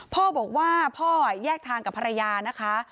พ่อบอกว่าพ่อแยกทางกับภรรยานะคะ